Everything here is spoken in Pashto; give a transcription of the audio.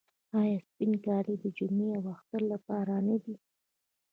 آیا سپین کالي د جمعې او اختر لپاره نه دي؟